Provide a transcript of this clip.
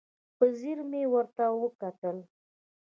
په ځیر مې ورته وکتل.